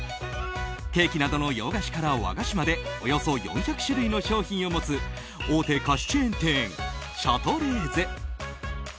ケーキなどの洋菓子から和菓子までおよそ４００種類の商品を持つ大手菓子チェーン店シャトレーゼ。